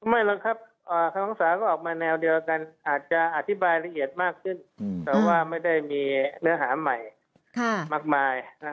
ไม่หรอกครับคำภาษาก็ออกมาแนวเดียวกันอาจจะอธิบายละเอียดมากขึ้นแต่ว่าไม่ได้มีเนื้อหาใหม่มากมาย